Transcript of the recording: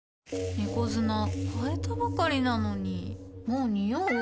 猫砂替えたばかりなのにもうニオう？